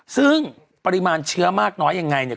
ซึ่งปริมาณเชื้อมากน้อยยังไงเนี่ย